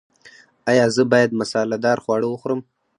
ایا زه باید مساله دار خواړه وخورم؟